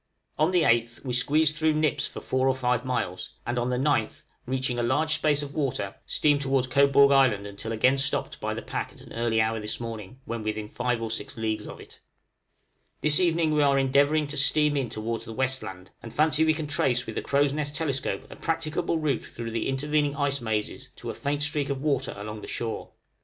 On the 8th we squeezed through nips for 4 or 5 miles, and on the 9th, reaching a large space of water, steamed towards Cobourg Island until again stopped by the pack at an early hour this morning, when within 5 or 6 leagues of it. {STRUGGLING TO THE WESTWARD.} This evening we are endeavoring to steam in towards the West land, and fancy we can trace with the crow's nest telescope a practicable route through the intervening ice mazes to a faint streak of water along the shore.